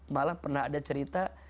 malah pernah ada cerita